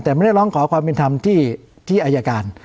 แต่ไม่ได้ร้องขอความเป็นธรรมที่อายการ